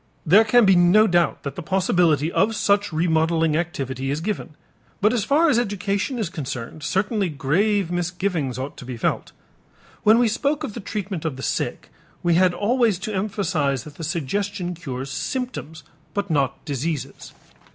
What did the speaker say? There can be no doubt that the possibility of such remodeling activity is given, but as far as education is concerned certainly grave misgivings ought to be felt. When we spoke of the treatment of the sick, we had always to emphasize that the suggestion cures symptoms but not diseases.